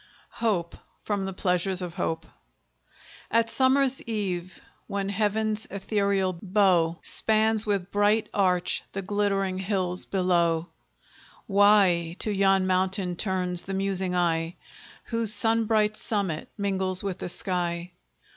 HOPE From the 'Pleasures of Hope' At summer eve, when Heaven's ethereal bow Spans with bright arch the glittering hills below, Why to yon mountain turns the musing eye, Whose sunbright summit mingles with the sky?